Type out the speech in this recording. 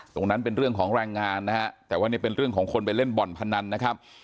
ตรงนั้นเป็นเรื่องของแรงงานนะฮะแต่ว่านี่เป็นเรื่องของคนไปเล่นบ่อนพนันนะครับ